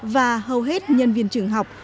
và hầu hết nhân viên trường học